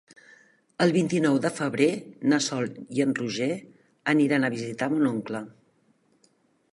El vint-i-nou de febrer na Sol i en Roger aniran a visitar mon oncle.